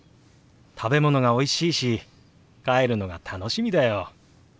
食べ物がおいしいし帰るのが楽しみだよ。